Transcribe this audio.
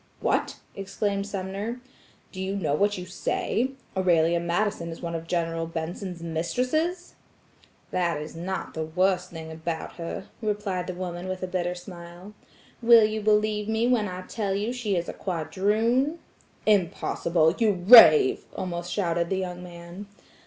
"What!" exclaimed Sumner, "do you know what you say? Aurelia Madison one of General Benson's mistresses?" "That is not the worst thing about her," replied the woman with a bitter smile. "Will you believe me when I tell you that she is a quadroon?" "Impossible! you rave!" almost shouted the young man.